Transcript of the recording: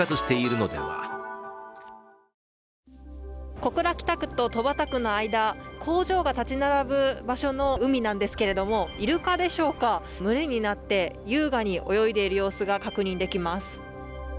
小倉北区と戸畑区の間工場が建ち並ぶ場所ですがイルカでしょうか、群れになって優雅に泳いでいる様子が確認できます。